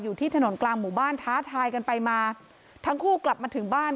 อยู่ที่ถนนกลางหมู่บ้านท้าทายกันไปมาทั้งคู่กลับมาถึงบ้าน